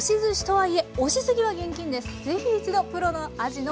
はい。